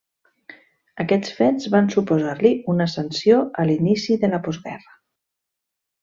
Aquests fets van suposar-li una sanció a l'inici de la postguerra.